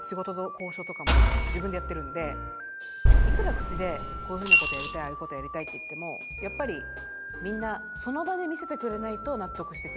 仕事の交渉とかも自分でやってるんでいくら口でこういうふうなことやりたいああいうことやりたいって言ってもやっぱりみんなその場で見せてくれないと納得してくれないので。